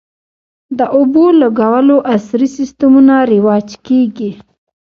د اوبولګولو عصري سیستمونه رواج کیږي